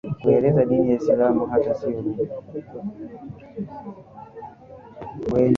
kueneza dini ya kiislamu Hata hivyo lugha